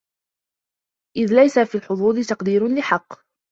إذْ لَيْسَ فِي الْحُظُوظِ تَقْدِيرٌ لِحَقٍّ